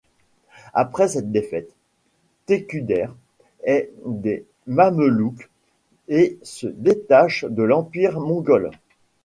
Après cette défaite, Teküder et des Mamelouk et se détache de l’empire mongol.